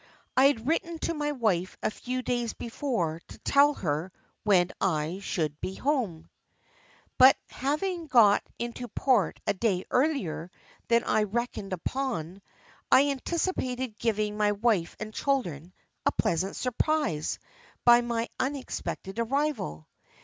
I had written to my wife a few days before to tell her when I should be at home, but having got into port a day earlier than I had reckoned upon, I anticipated giving my wife and children a pleasant surprise by my unexpected arrival.